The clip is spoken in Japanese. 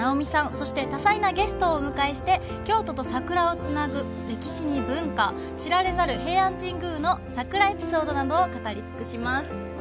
そして多彩なゲストをお迎えして京都と桜をつなぐ、歴史に文化知られざる平安神宮の桜エピソードなどを語りつくします。